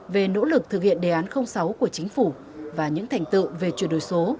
về nỗ lực thực hiện đề án sáu của chính phủ và những thành tựu về chuyển đổi số